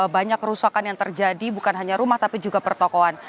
banyak kerusakan yang terjadi bukan hanya rumah tapi juga pertokohan